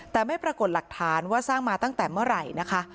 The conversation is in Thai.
แต่ไม่ปรากฏหลักฐานว่าสร้างมาตั้งแต่เมื่อไหร่นะคะ